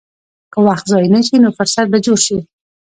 که وخت ضایع نه شي، نو فرصت به جوړ شي.